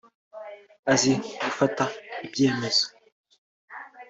Azi gufata ibyemezo